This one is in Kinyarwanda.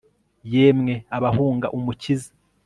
yemwe abahunga umukiza